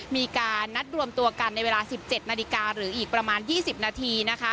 มีการนัดรวมตัวกันในเวลา๑๗นาฬิกาหรืออีกประมาณ๒๐นาทีนะคะ